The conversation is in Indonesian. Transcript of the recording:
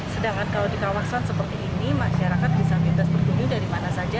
sedangkan kalau di kawasan seperti ini masyarakat bisa bebas berbunyi dari mana saja